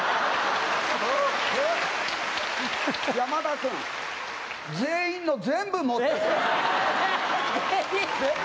山田君全員の全部持ってって。